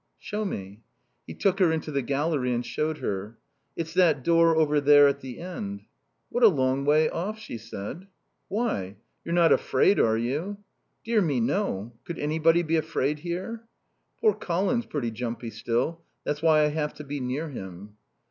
"Show me." He took her into the gallery and showed her. "It's that door over there at the end." "What a long way off," she said. "Why? You're not afraid, are you?" "Dear me, no. Could anybody be afraid here?" "Poor Colin's pretty jumpy still. That's why I have to be near him."